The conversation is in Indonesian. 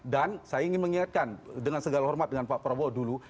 dan saya ingin mengingatkan dengan segala hormat dengan pak prabowo dulu